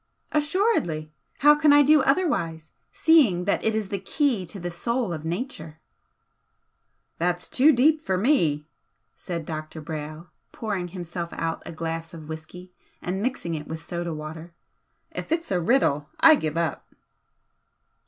"Assuredly! How can I do otherwise, seeing that it is the Key to the Soul of Nature?" "That's too deep for me!" said Dr. Brayle, pouring himself out a glass of whisky and mixing it with soda water "If it's a riddle I give it up!"